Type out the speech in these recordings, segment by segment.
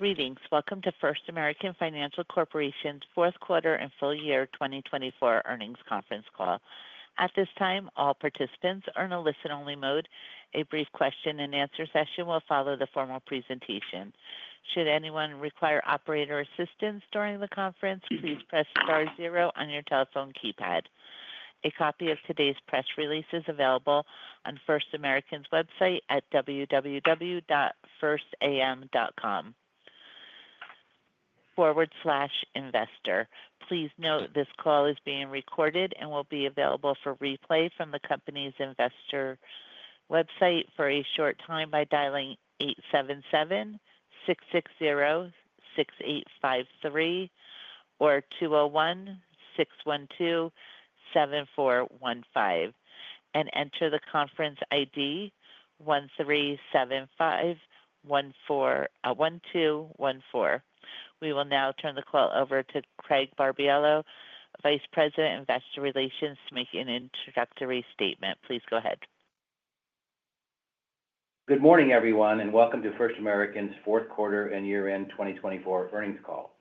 Greetings. Welcome to First American Financial Corporation's fourth quarter and full year 2024 earnings conference call. At this time, all participants are in a listen-only mode. A brief question-and-answer session will follow the formal presentation. Should anyone require operator assistance during the conference, please press star zero on your telephone keypad. A copy of today's press release is available on First American's website at www.firstam.com. Forward slash investor. Please note this call is being recorded and will be available for replay from the company's investor website for a short time by dialing 877-660-6853 or 201-612-7415 and enter the conference ID 137514, 1214. We will now turn the call over to Craig Barberio, Vice President, Investor Relations, to make an introductory statement. Please go ahead. Good morning, everyone, and welcome to First American's fourth quarter and year-end 2024 earnings call.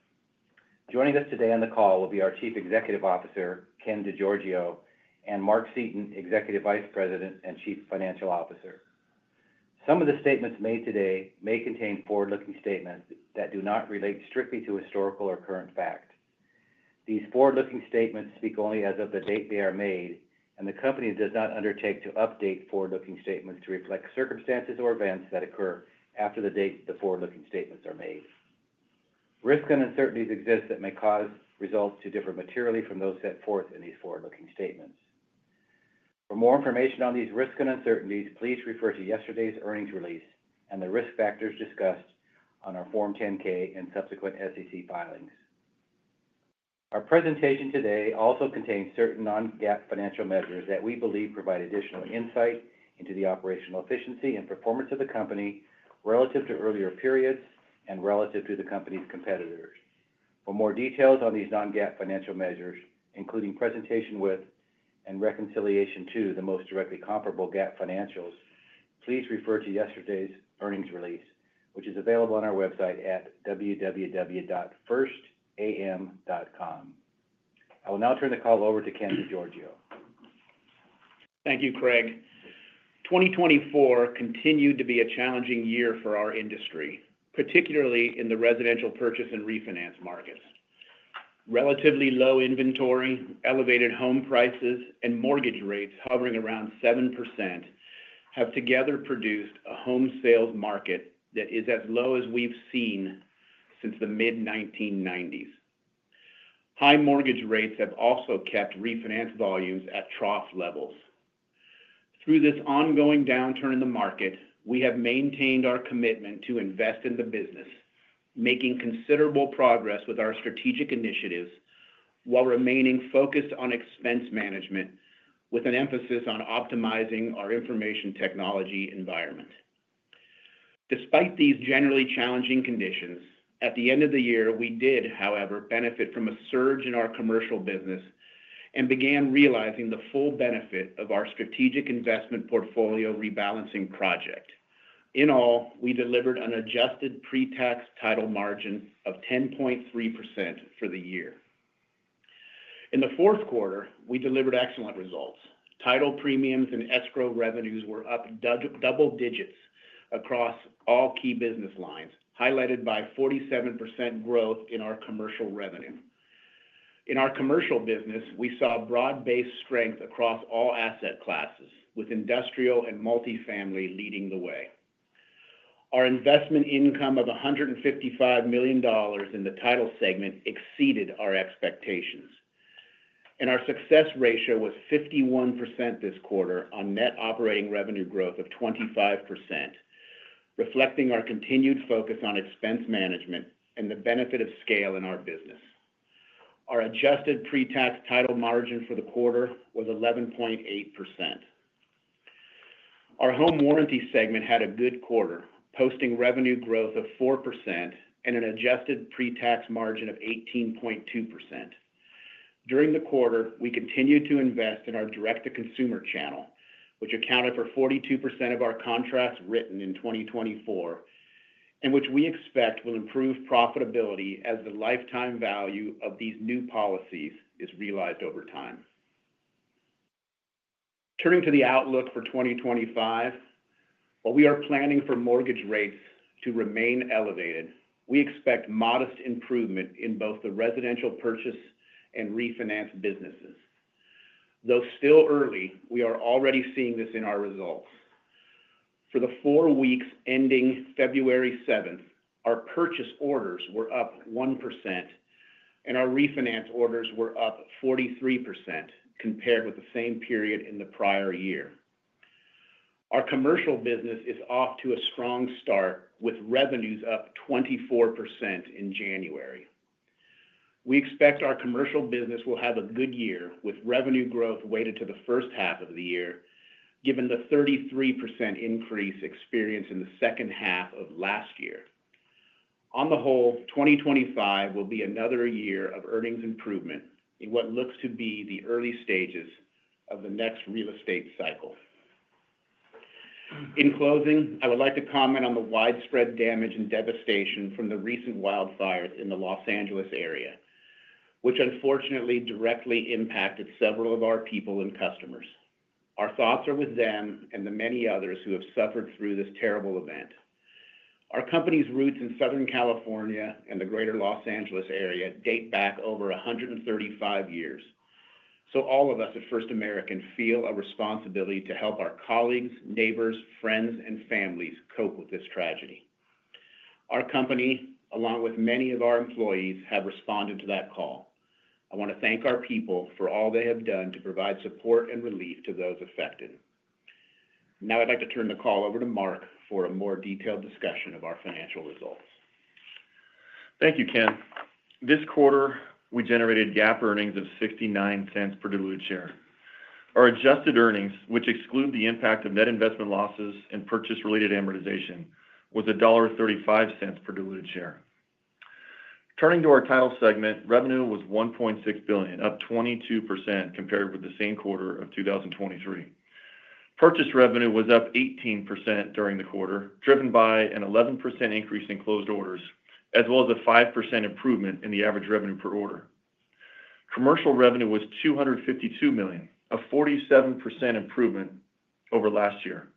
Joining us today on the call will be our Chief Executive Officer, Ken DeGiorgio, and Mark Seaton, Executive Vice President and Chief Financial Officer. Some of the statements made today may contain forward-looking statements that do not relate strictly to historical or current fact. These forward-looking statements speak only as of the date they are made, and the company does not undertake to update forward-looking statements to reflect circumstances or events that occur after the date the forward-looking statements are made. Risks and uncertainties exist that may cause results to differ materially from those set forth in these forward-looking statements. For more information on these risks and uncertainties, please refer to yesterday's earnings release and the risk factors discussed on our Form 10-K and subsequent SEC filings. Our presentation today also contains certain non-GAAP financial measures that we believe provide additional insight into the operational efficiency and performance of the company relative to earlier periods and relative to the company's competitors. For more details on these non-GAAP financial measures, including presentation with and reconciliation to the most directly comparable GAAP financials, please refer to yesterday's earnings release, which is available on our website at www.firstam.com. I will now turn the call over to Ken DeGiorgio. Thank you, Craig. 2024 continued to be a challenging year for our industry, particularly in the residential purchase and refinance markets. Relatively low inventory, elevated home prices, and mortgage rates hovering around 7% have together produced a home sales market that is as low as we've seen since the mid-1990s. High mortgage rates have also kept refinance volumes at trough levels. Through this ongoing downturn in the market, we have maintained our commitment to invest in the business, making considerable progress with our strategic initiatives while remaining focused on expense management with an emphasis on optimizing our information technology environment. Despite these generally challenging conditions, at the end of the year, we did, however, benefit from a surge in our commercial business and began realizing the full benefit of our strategic investment portfolio rebalancing project. In all, we delivered an adjusted pre-tax title margin of 10.3% for the year. In the fourth quarter, we delivered excellent results. Title premiums and escrow revenues were up double digits across all key business lines, highlighted by 47% growth in our commercial revenue. In our commercial business, we saw broad-based strength across all asset classes, with industrial and multifamily leading the way. Our investment income of $155 million in the title segment exceeded our expectations, and our success ratio was 51% this quarter on net operating revenue growth of 25%, reflecting our continued focus on expense management and the benefit of scale in our business. Our adjusted pre-tax title margin for the quarter was 11.8%. Our home warranty segment had a good quarter, posting revenue growth of 4% and an adjusted pre-tax margin of 18.2%. During the quarter, we continued to invest in our direct-to-consumer channel, which accounted for 42% of our contracts written in 2024 and which we expect will improve profitability as the lifetime value of these new policies is realized over time. Turning to the outlook for 2025, while we are planning for mortgage rates to remain elevated, we expect modest improvement in both the residential purchase and refinance businesses. Though still early, we are already seeing this in our results. For the four weeks ending February 7th, our purchase orders were up 1%, and our refinance orders were up 43% compared with the same period in the prior year. Our commercial business is off to a strong start, with revenues up 24% in January. We expect our commercial business will have a good year, with revenue growth weighted to the first half of the year, given the 33% increase experienced in the second half of last year. On the whole, 2025 will be another year of earnings improvement in what looks to be the early stages of the next real estate cycle. In closing, I would like to comment on the widespread damage and devastation from the recent wildfires in the Los Angeles area, which unfortunately directly impacted several of our people and customers. Our thoughts are with them and the many others who have suffered through this terrible event. Our company's roots in Southern California and the greater Los Angeles area date back over 135 years, so all of us at First American feel a responsibility to help our colleagues, neighbors, friends, and families cope with this tragedy. Our company, along with many of our employees, have responded to that call. I want to thank our people for all they have done to provide support and relief to those affected. Now, I'd like to turn the call over to Mark for a more detailed discussion of our financial results. Thank you, Ken. This quarter, we generated GAAP earnings of $0.69 per diluted share. Our adjusted earnings, which exclude the impact of net investment losses and purchase-related amortization, was $1.35 per diluted share. Turning to our title segment, revenue was $1.6 billion, up 22% compared with the same quarter of 2023. Purchase revenue was up 18% during the quarter, driven by an 11% increase in closed orders, as well as a 5% improvement in the average revenue per order. Commercial revenue was $252 million, a 47% improvement over last year.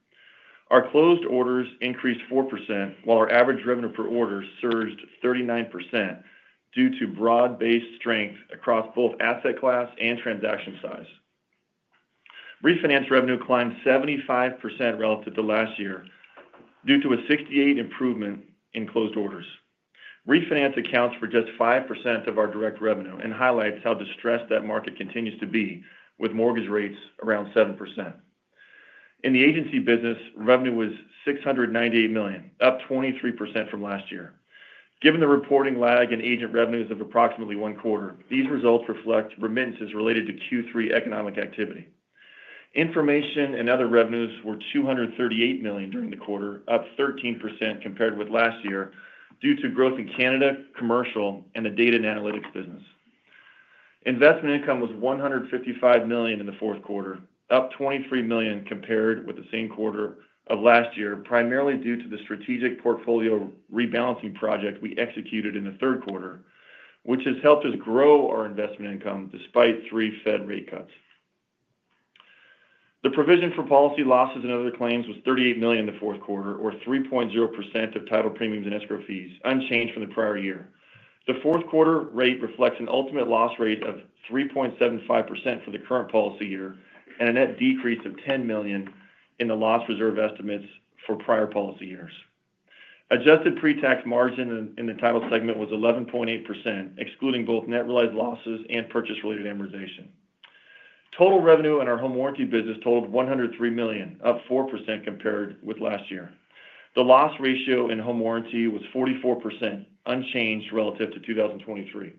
Our closed orders increased 4%, while our average revenue per order surged 39% due to broad-based strength across both asset class and transaction size. Refinance revenue climbed 75% relative to last year due to a 68% improvement in closed orders. Refinance accounts for just 5% of our direct revenue and highlights how distressed that market continues to be, with mortgage rates around 7%. In the agency business, revenue was $698 million, up 23% from last year. Given the reporting lag in agent revenues of approximately one quarter, these results reflect remittances related to Q3 economic activity. Information and other revenues were $238 million during the quarter, up 13% compared with last year due to growth in Canada, commercial, and the data and analytics business. Investment income was $155 million in the fourth quarter, up $23 million compared with the same quarter of last year, primarily due to the strategic portfolio rebalancing project we executed in the third quarter, which has helped us grow our investment income despite three Fed rate cuts. The provision for policy losses and other claims was $38 million in the fourth quarter, or 3.0% of title premiums and escrow fees, unchanged from the prior year. The fourth quarter rate reflects an ultimate loss rate of 3.75% for the current policy year and a net decrease of $10 million in the loss reserve estimates for prior policy years. Adjusted pre-tax margin in the title segment was 11.8%, excluding both net realized losses and purchase-related amortization. Total revenue in our home warranty business totaled $103 million, up 4% compared with last year. The loss ratio in home warranty was 44%, unchanged relative to 2023.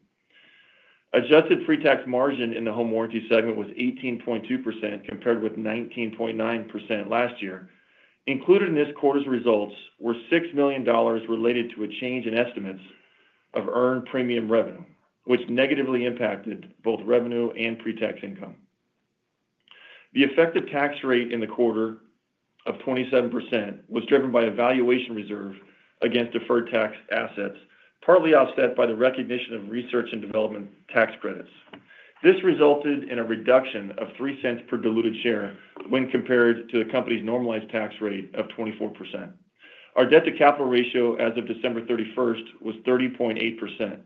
Adjusted pre-tax margin in the home warranty segment was 18.2% compared with 19.9% last year. Included in this quarter's results were $6 million related to a change in estimates of earned premium revenue, which negatively impacted both revenue and pre-tax income. The effective tax rate in the quarter of 27% was driven by a valuation reserve against deferred tax assets, partly offset by the recognition of research and development tax credits. This resulted in a reduction of $0.03 per diluted share when compared to the company's normalized tax rate of 24%. Our debt-to-capital ratio as of December 31st was 30.8%.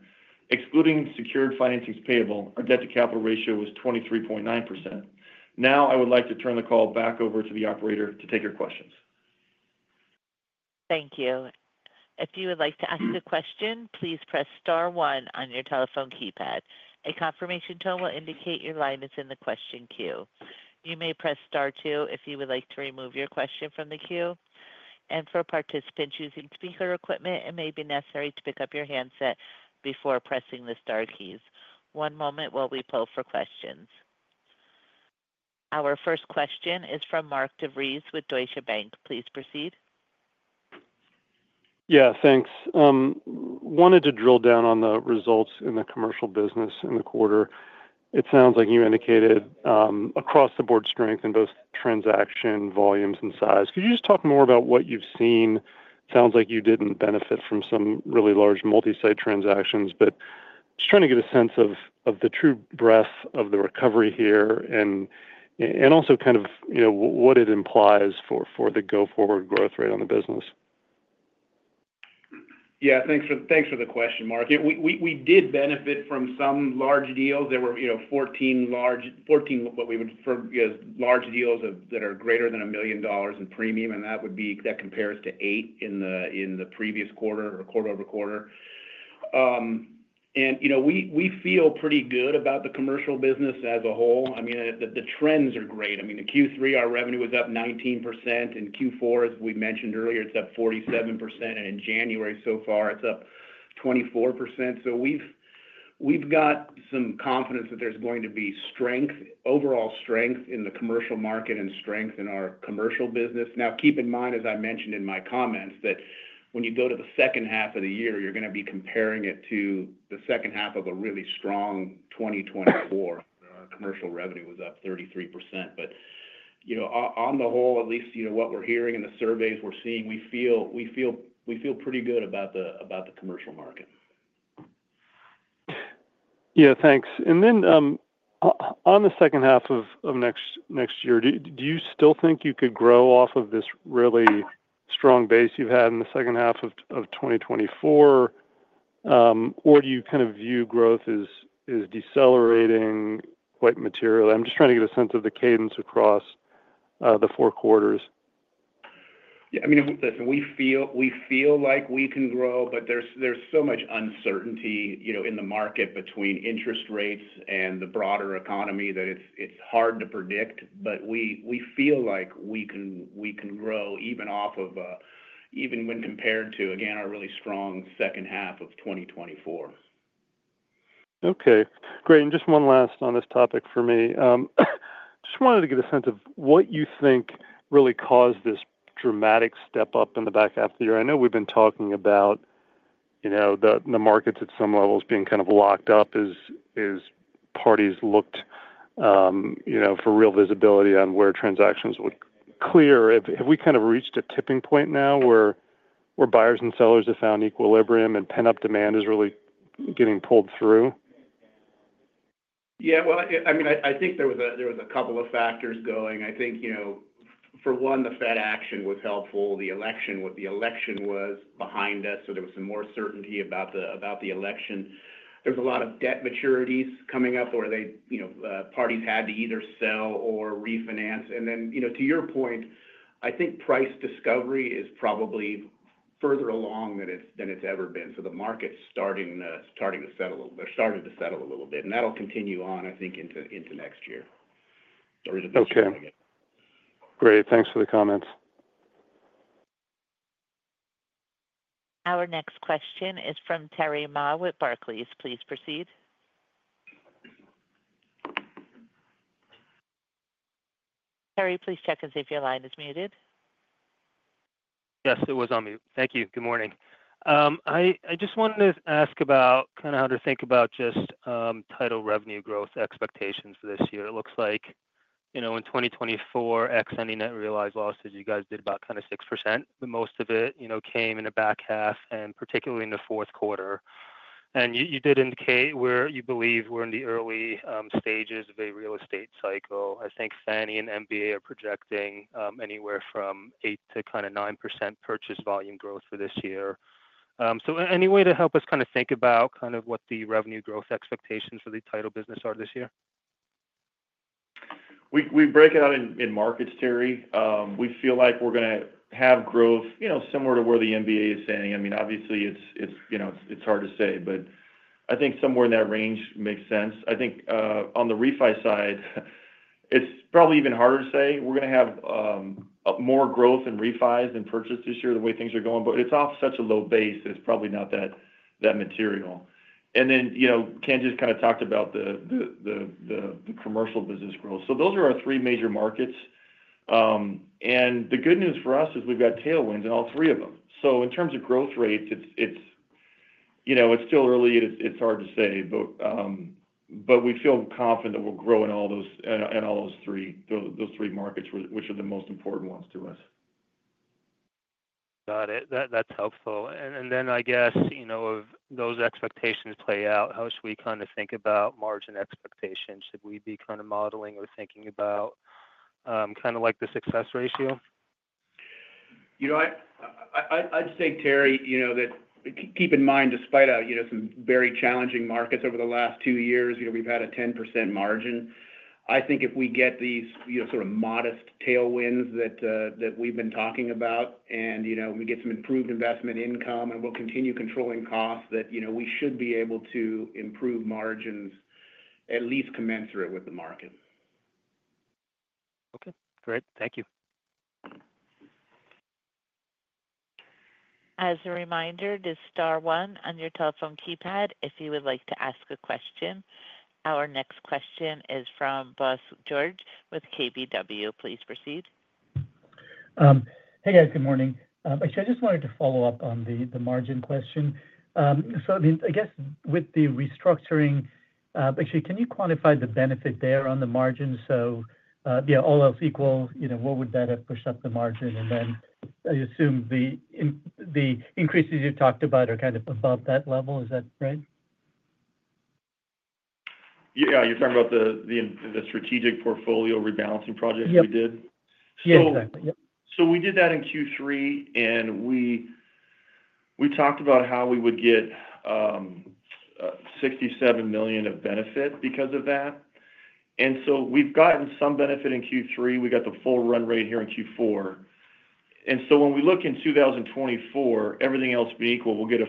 Excluding secured financing payable, our debt-to-capital ratio was 23.9%. Now, I would like to turn the call back over to the operator to take your questions. Thank you. If you would like to ask a question, please press star one on your telephone keypad. A confirmation tone will indicate your line is in the question queue. You may press star two if you would like to remove your question from the queue, and for participants using speaker equipment, it may be necessary to pick up your handset before pressing the star keys. One moment while we poll for questions. Our first question is from Mark DeVries with Deutsche Bank. Please proceed. Yeah, thanks. Wanted to drill down on the results in the commercial business in the quarter. It sounds like you indicated, across-the-board strength in both transaction volumes and size. Could you just talk more about what you've seen? Sounds like you didn't benefit from some really large multi-site transactions, but just trying to get a sense of the true breadth of the recovery here and also kind of, you know, what it implies for the go-forward growth rate on the business. Yeah, thanks for the question, Mark. Yeah, we did benefit from some large deals. There were, you know, 14 large deals that are greater than $1 million in premium, and that compares to eight in the previous quarter quarter over quarter. And you know, we feel pretty good about the commercial business as a whole. I mean, the trends are great. I mean, in Q3, our revenue was up 19%. In Q4, as we mentioned earlier, it's up 47%. And in January so far, it's up 24%. So we've got some confidence that there's going to be strength, overall strength in the commercial market and strength in our commercial business. Now, keep in mind, as I mentioned in my comments, that when you go to the second half of the year, you're going to be comparing it to the second half of a really strong 2024. Our commercial revenue was up 33%. But, you know, on the whole, at least, you know, what we're hearing in the surveys we're seeing, we feel pretty good about the commercial market. Yeah, thanks. And then, on the second half of next year, do you still think you could grow off of this really strong base you've had in the second half of 2024, or do you kind of view growth as decelerating quite materially? I'm just trying to get a sense of the cadence across the four quarters. Yeah, I mean, listen, we feel like we can grow, but there's so much uncertainty, you know, in the market between interest rates and the broader economy that it's hard to predict. But we feel like we can grow even when compared to, again, our really strong second half of 2024. Okay, great. And just one last on this topic for me. Just wanted to get a sense of what you think really caused this dramatic step up in the back half of the year. I know we've been talking about, you know, the, the markets at some levels being kind of locked up as, as parties looked, you know, for real visibility on where transactions would clear. Have we kind of reached a tipping point now where, where buyers and sellers have found equilibrium and pent-up demand is really getting pulled through? Yeah, well, I mean, I think there was a couple of factors going. I think, you know, for one, the Fed action was helpful. The election, with the election behind us, so there was some more certainty about the election. There was a lot of debt maturities coming up where they, you know, parties had to either sell or refinance. And then, you know, to your point, I think price discovery is probably further along than it's ever been. So the market's starting to settle a little, or started to settle a little bit. And that'll continue on, I think, into next year. Okay. Great. Thanks for the comments. Our next question is from Terry Ma with Barclays. Please proceed. Terry, please check and see if your line is muted. Yes, it was on mute. Thank you. Good morning. I just wanted to ask about kind of how to think about just title revenue growth expectations for this year. It looks like, you know, in 2024, excluding net realized losses, you guys did about kind of 6%, but most of it, you know, came in the back half and particularly in the fourth quarter. And you did indicate where you believe we're in the early stages of a real estate cycle. I think Fannie and MBA are projecting anywhere from 8% to 9% purchase volume growth for this year. So any way to help us kind of think about kind of what the revenue growth expectations for the title business are this year? We break it out in markets, Terry. We feel like we're going to have growth, you know, similar to where the MBA is standing. I mean, obviously, it's hard to say, but I think somewhere in that range makes sense. I think, on the refi side, it's probably even harder to say. We're going to have more growth in refis and purchase this year the way things are going, but it's off such a low base. It's probably not that material. And then, you know, Ken just kind of talked about the commercial business growth. So those are our three major markets. And the good news for us is we've got tailwinds in all three of them. So in terms of growth rates, it's still early. It's hard to say, but we feel confident that we'll grow in all those three markets, which are the most important ones to us. Got it. That's helpful. And then I guess, you know, if those expectations play out, how should we kind of think about margin expectations? Should we be kind of modeling or thinking about, kind of like the success ratio? You know, I'd say, Terry, you know, keep in mind, despite our, you know, some very challenging markets over the last two years, you know, we've had a 10% margin. I think if we get these, you know, sort of modest tailwinds that we've been talking about, and, you know, we get some improved investment income and we'll continue controlling costs, that, you know, we should be able to improve margins, at least commensurate with the market. Okay, great. Thank you. As a reminder, this is star one on your telephone keypad if you would like to ask a question. Our next question is from Bose George with KBW. Please proceed. Hey guys, good morning. Actually, I just wanted to follow up on the margin question. So, I mean, I guess with the restructuring, actually, can you quantify the benefit there on the margin? So, yeah, all else equal, you know, what would that have pushed up the margin? And then I assume the increases you've talked about are kind of above that level. Is that right? Yeah, you're talking about the strategic portfolio rebalancing project we did? Yeah, exactly. We did that in Q3, and we talked about how we would get $67 million of benefit because of that. And so we've gotten some benefit in Q3. We got the full run rate here in Q4. And so when we look in 2024, everything else being equal, we'll get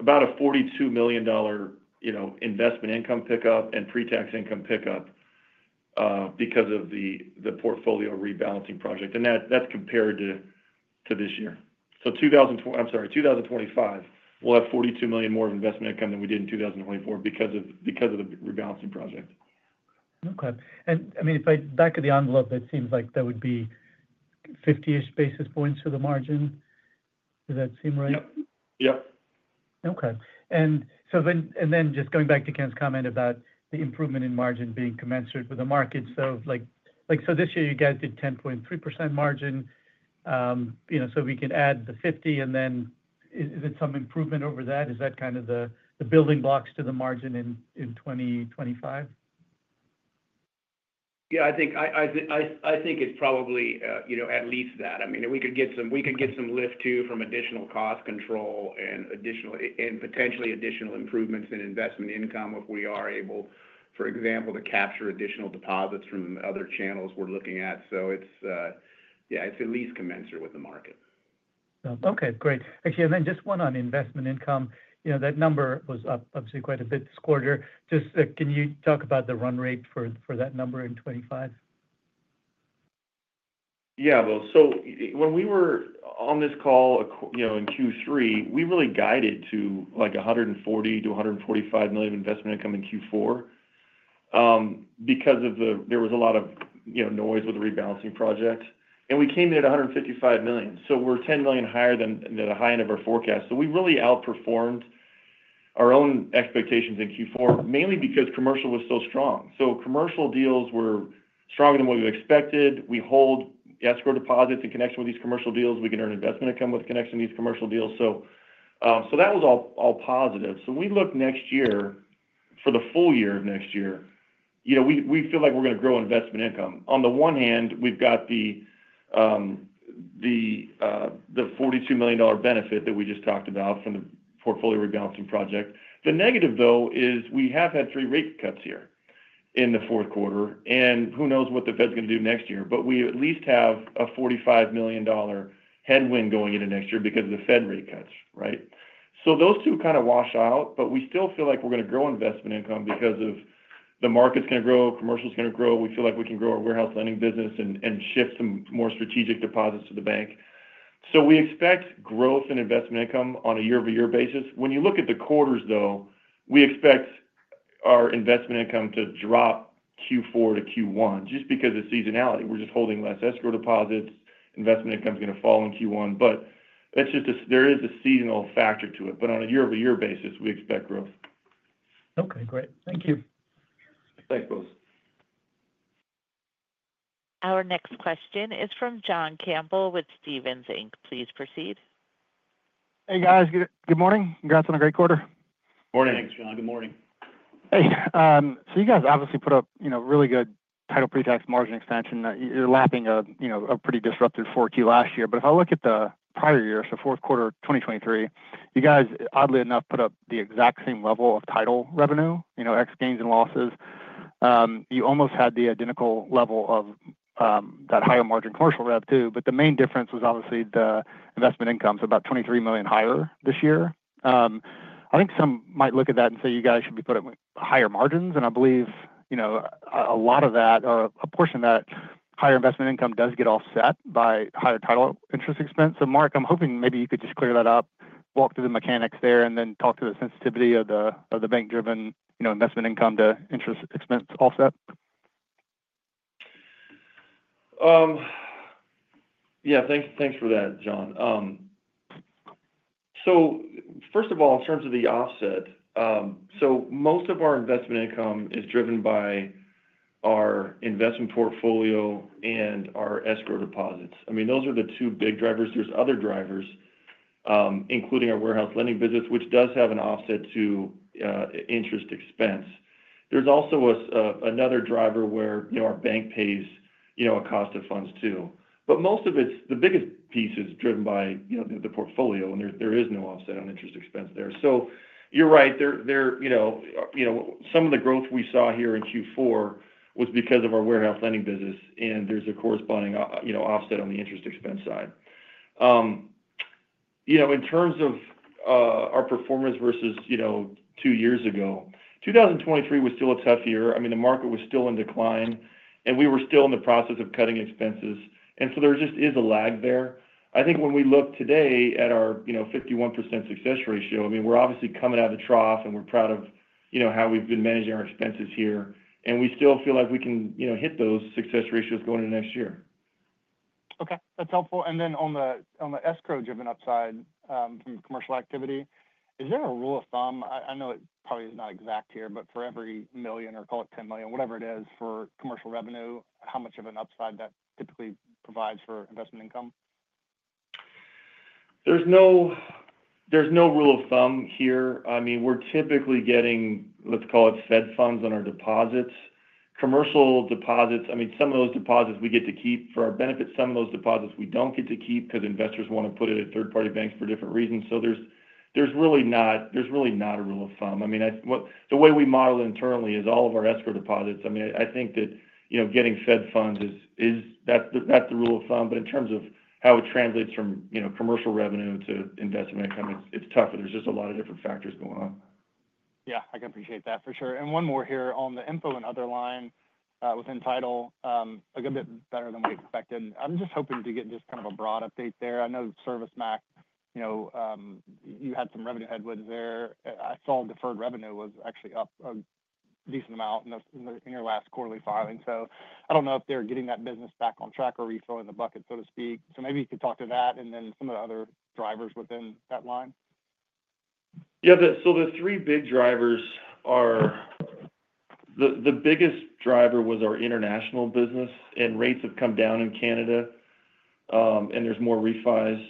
about a $42 million, you know, investment income pickup and pre-tax income pickup, because of the portfolio rebalancing project. And that's compared to this year. So 2020, I'm sorry, 2025, we'll have $42 million more of investment income than we did in 2024 because of the rebalancing project. Okay, and I mean, if I back of the envelope, that seems like that would be 50-ish basis points to the margin. Does that seem right? Yep. Yep. Okay. And so then, and then just going back to Ken's comment about the improvement in margin being commensurate with the market. So like, like so this year you guys did 10.3% margin, you know, so we can add the 50, and then is it some improvement over that? Is that kind of the, the building blocks to the margin in, in 2025? Yeah, I think it's probably, you know, at least that. I mean, we could get some lift too from additional cost control and additional, and potentially additional improvements in investment income if we are able, for example, to capture additional deposits from other channels we're looking at. So it's, yeah, it's at least commensurate with the market. Okay, great. Actually, and then just one on investment income, you know, that number was up obviously quite a bit this quarter. Just, can you talk about the run rate for that number in 2025? Yeah, well, so when we were on this call, you know, in Q3, we really guided to like $140 million-$145 million investment income in Q4, because there was a lot of, you know, noise with the rebalancing project. And we came in at $155 million. So we're $10 million higher than the high end of our forecast. So we really outperformed our own expectations in Q4, mainly because commercial was so strong. So commercial deals were stronger than what we expected. We hold escrow deposits in connection with these commercial deals. We can earn investment income with connection to these commercial deals. So that was all positive. So we look next year for the full year of next year, you know, we feel like we're going to grow investment income. On the one hand, we've got the $42 million benefit that we just talked about from the portfolio rebalancing project. The negative though is we have had three rate cuts here in the fourth quarter. And who knows what the Fed's going to do next year, but we at least have a $45 million headwind going into next year because of the Fed rate cuts, right? So those two kind of wash out, but we still feel like we're going to grow investment income because the market's going to grow, commercial's going to grow. We feel like we can grow our warehouse lending business and shift some more strategic deposits to the bank. So we expect growth in investment income on a year-over-year basis. When you look at the quarters though, we expect our investment income to drop Q4 to Q1 just because of seasonality. We're just holding less escrow deposits. Investment income's going to fall in Q1, but that's just, there is a seasonal factor to it, but on a year-over-year basis, we expect growth. Okay, great. Thank you. Thanks, boss. Our next question is from John Campbell with Stephens Inc. Please proceed. Hey guys, good morning. You guys on a great quarter. Morning. Thanks, John. Good morning. Hey, so you guys obviously put up, you know, really good title pre-tax margin expansion. You're lapping a, you know, a pretty disruptive 4Q last year. But if I look at the prior year, so fourth quarter 2023, you guys, oddly enough, put up the exact same level of title revenue, you know, ex gains and losses. You almost had the identical level of that higher margin commercial rev too. But the main difference was obviously the investment income's about $23 million higher this year. I think some might look at that and say you guys should be putting higher margins. And I believe, you know, a lot of that, or a portion of that higher investment income does get offset by higher title interest expense. So Mark, I'm hoping maybe you could just clear that up, walk through the mechanics there, and then talk to the sensitivity of the bank-driven, you know, investment income to interest expense offset. Yeah, thanks, thanks for that, John. So first of all, in terms of the offset, so most of our investment income is driven by our investment portfolio and our escrow deposits. I mean, those are the two big drivers. There's other drivers, including our warehouse lending business, which does have an offset to interest expense. There's also another driver where, you know, our bank pays, you know, a cost of funds too. But most of it's the biggest piece is driven by, you know, the portfolio, and there is no offset on interest expense there. So you're right. There, you know, some of the growth we saw here in Q4 was because of our warehouse lending business, and there's a corresponding, you know, offset on the interest expense side. You know, in terms of our performance versus you know, two years ago, 2023 was still a tough year. I mean, the market was still in decline, and we were still in the process of cutting expenses. And so there just is a lag there. I think when we look today at our you know, 51% success ratio, I mean, we're obviously coming out of the trough, and we're proud of you know, how we've been managing our expenses here. And we still feel like we can you know, hit those success ratios going into next year. Okay, that's helpful. And then on the escrow-driven upside from commercial activity, is there a rule of thumb? I know it probably is not exact here, but for every million, or call it 10 million, whatever it is for commercial revenue, how much of an upside that typically provides for investment income? There's no rule of thumb here. I mean, we're typically getting, let's call it Fed Funds on our deposits. Commercial deposits, I mean, some of those deposits we get to keep for our benefits. Some of those deposits we don't get to keep because investors want to put it in third-party banks for different reasons. So there's really not a rule of thumb. I mean, I what the way we model internally is all of our escrow deposits. I mean, I think that, you know, getting Fed Funds is that's the rule of thumb. But in terms of how it translates from, you know, commercial revenue to investment income, it's tougher. There's just a lot of different factors going on. Yeah, I can appreciate that for sure, and one more here on the info and other line, within title, a good bit better than we expected. I'm just hoping to get just kind of a broad update there. I know ServiceMac, you know, you had some revenue headwinds there. I saw deferred revenue was actually up a decent amount in your last quarterly filing. So I don't know if they're getting that business back on track or refilling the bucket, so to speak. So maybe you could talk to that and then some of the other drivers within that line. Yeah, so the three big drivers are. The biggest driver was our international business, and rates have come down in Canada, and there's more refis.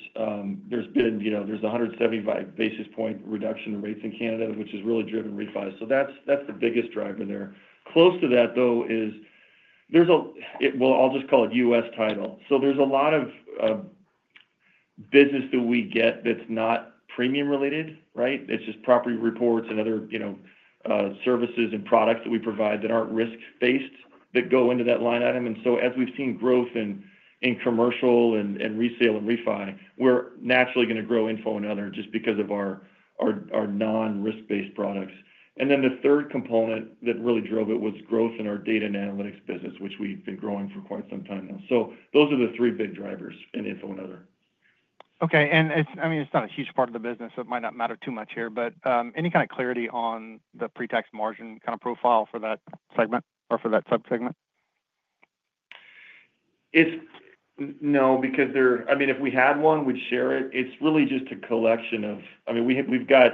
There's been, you know, a 175 basis point reduction in rates in Canada, which has really driven refis. So that's the biggest driver there. Close to that though is there's a, well, I'll just call it U.S. title. So there's a lot of business that we get that's not premium related, right? It's just property reports and other, you know, services and products that we provide that aren't risk-based that go into that line item. And so as we've seen growth in commercial and resale and refi, we're naturally going to grow info and other just because of our non-risk-based products. Then the third component that really drove it was growth in our data and analytics business, which we've been growing for quite some time now. Those are the three big drivers in info and other. Okay, and it's, I mean, it's not a huge part of the business. It might not matter too much here, but, any kind of clarity on the pre-tax margin kind of profile for that segment or for that subsegment? It's no, because there, I mean, if we had one, we'd share it. It's really just a collection of, I mean, we have, we've got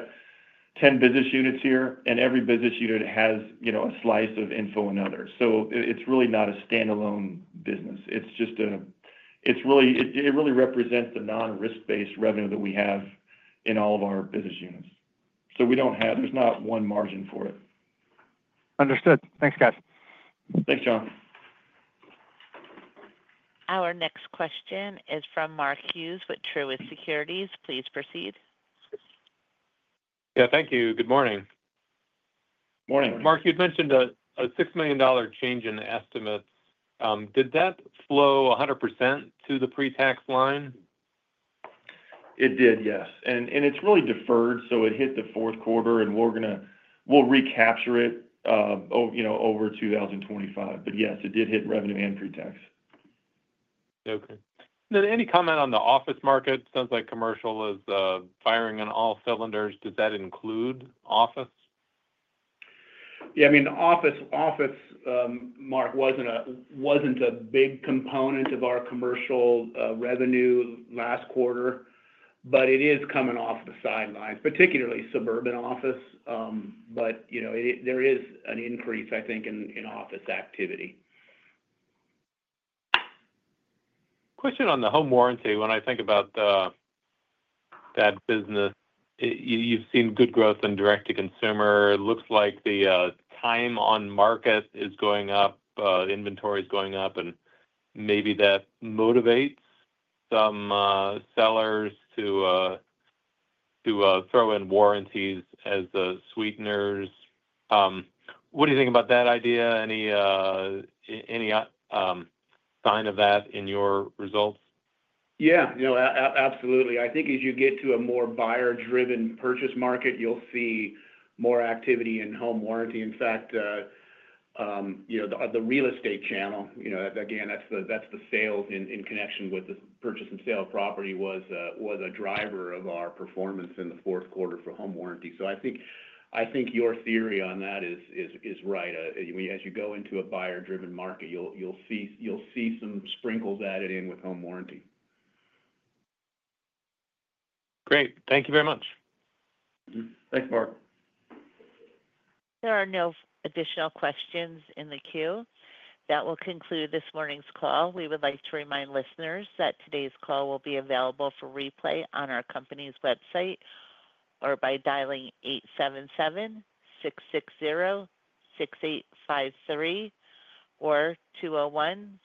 10 business units here, and every business unit has, you know, a slice of info and other. So it's really not a standalone business. It's just a, it's really, it really represents the non-risk-based revenue that we have in all of our business units. So we don't have, there's not one margin for it. Understood. Thanks, guys. Thanks, John. Our next question is from Mark Hughes with Truist Securities. Please proceed. Yeah, thank you. Good morning. Morning. Mark, you'd mentioned a $6 million change in estimates. Did that flow 100% to the pre-tax line? It did, yes. And it's really deferred, so it hit the fourth quarter, and we're going to, we'll recapture it, you know, over 2025. But yes, it did hit revenue and pre-tax. Okay. Then any comment on the office market? Sounds like commercial is firing on all cylinders. Does that include office? Yeah, I mean, office, Mark wasn't a big component of our commercial revenue last quarter, but it is coming off the sidelines, particularly suburban office. But, you know, there is an increase, I think, in office activity. Question on the home warranty. When I think about that business, you've seen good growth in direct-to-consumer. It looks like the time on market is going up, inventory is going up, and maybe that motivates some sellers to throw in warranties as sweeteners. What do you think about that idea? Any sign of that in your results? Yeah, no, absolutely. I think as you get to a more buyer-driven purchase market, you'll see more activity in home warranty. In fact, you know, the real estate channel, you know, again, that's the sales in connection with the purchase and sale of property was a driver of our performance in the fourth quarter for home warranty. So I think your theory on that is right. As you go into a buyer-driven market, you'll see some sprinkles added in with home warranty. Great. Thank you very much. Thanks, Mark. There are no additional questions in the queue. That will conclude this morning's call. We would like to remind listeners that today's call will be available for replay on our company's website or by dialing 877-660-6853 or 201.